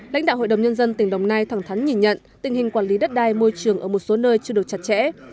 lãnh đạo hội đồng nhân dân tỉnh đồng nai thẳng thắn nhìn nhận tình hình quản lý đất đai môi trường ở một số nơi chưa được chặt chẽ